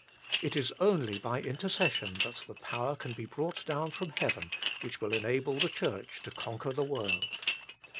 It is only by in tercession that that power can be brought down from Heaven which will enable the Church to conquer the world.